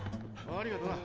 ・ありがとな。